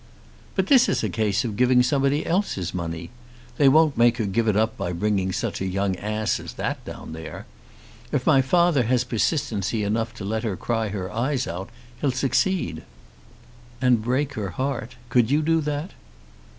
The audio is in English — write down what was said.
"But this is a case of giving somebody else's money. They won't make her give it up by bringing such a young ass as that down here. If my father has persistency enough to let her cry her eyes out, he'll succeed." "And break her heart. Could you do that?"